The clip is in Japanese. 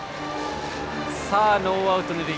ノーアウト二塁。